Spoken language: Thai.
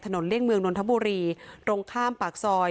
ถนนเล่นเมืองนทบุรีตรงข้ามปากซอย